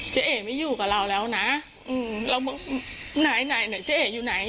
เจ๊เอกไม่อยู่กับเราแล้วนะอืมเราไหนไหนเจ๊เอกอยู่ไหน